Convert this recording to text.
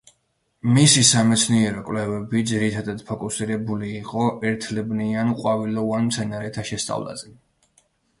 მისი სამეცნიერო კვლევები ძირითადად ფოკუსირებული იყო ერთლებნიან, ყვავილოვან მცენარეთა შესწავლაზე.